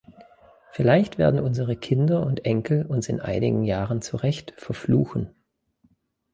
Vielleicht werden unsere Kinder und Enkel uns in einigen Jahren zu recht "verfluchen" .